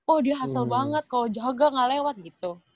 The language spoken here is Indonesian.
oh dia hasil banget kalau jaga gak lewat gitu